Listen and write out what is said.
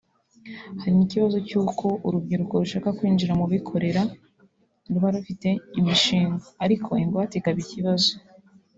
hari n’ikibazo cy’uko urubyiruko rushaka kwinjira mu bikorera ruba rufite imishinga ariko ingwate ikaba ikibazo